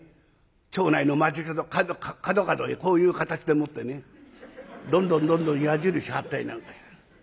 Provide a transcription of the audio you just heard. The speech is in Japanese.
町内の街角角々へこういう形でもってねどんどんどんどん矢印貼ったりなんかして。